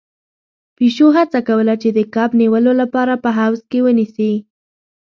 پيشو هڅه کوله چې د کب نيولو لپاره په حوض کې ونيسي.